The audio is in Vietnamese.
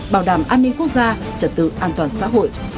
bảo đảm an ninh quốc gia trật tự an toàn xã hội